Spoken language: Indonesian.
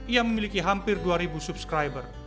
ia memiliki hampir dua ribu subscriber